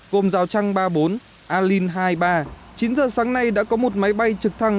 gồm giao trang ba bốn a linh hai ba chín giờ sáng nay đã có một máy bay trực thăng